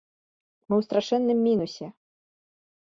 Мы ў страшэнным мінусе!